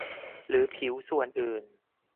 หรือผิวส่วนอื่น